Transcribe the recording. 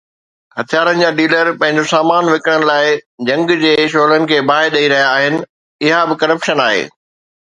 هٿيارن جا ڊيلر پنهنجو سامان وڪڻڻ لاءِ جنگ جي شعلن کي باهه ڏئي رهيا آهن، اها به ڪرپشن آهي.